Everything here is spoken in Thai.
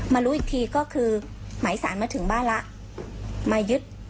มารู้อีกทีก็คือหมายสารมาถึงบ้านละ